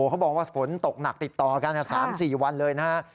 เขาบอกว่าฝนตกหนักติดต่อกัน๓๔วันเลยนะฮะ